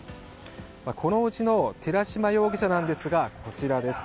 このうちの寺島容疑者ですがこちらです。